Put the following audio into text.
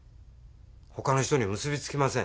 他の人に結び付きません。